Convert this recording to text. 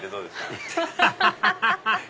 アハハハハ！